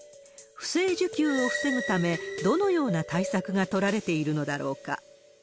不正受給を防ぐため、どのような対策が取られているのだろうか。